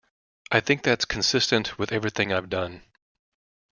I think that's consistent with everything I've done.